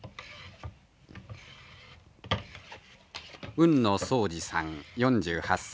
海野想次さん４８歳。